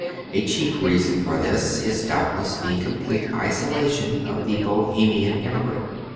A chief reason for this is doubtless the complete isolation of the Bohemian immigrant.